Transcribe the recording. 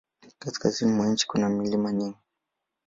Kaskazini mwa nchi kuna milima mingi.